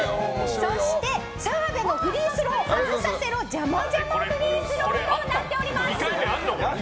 そして、澤部のフリースローを外させろじゃまじゃまフリースローとなっております。